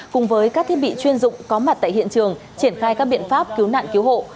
cùng với các thiết bị chuyên dụng có mặt tại hiện trường triển khai các biện pháp cứu nạn cứu hộ